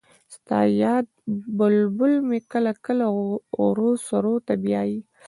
ستا یاد بلبل مې کله کله غرو سرو ته بیايي